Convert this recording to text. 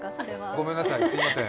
ごめんなさい、すみません。